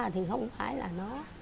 thì không phải là nó